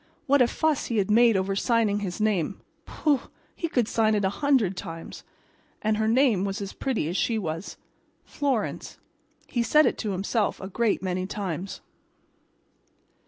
What a fuss he had made over signing his name—pooh! he could sign it a hundred times. And her name was as pretty as she was—"Florence," he said it to himself a great many times.